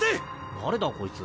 誰だこいつ。